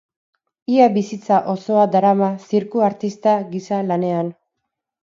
Ia bizitza osoa darama zirku-artista gisa lanean.